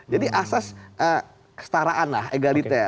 jadi asas kestaraan lah egaliter